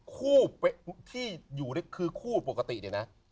คู่ที่อยู่เรื่อยคือคู่ปกตินะ